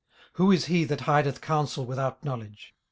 18:042:003 Who is he that hideth counsel without knowledge?